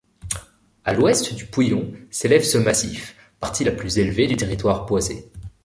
À l'ouest du Pouillon, s'élève ce massif, partie la plus élevée du territoire, boisée.